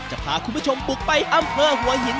จะพาคุณผู้ชมบุกไปอำเภอหัวหิน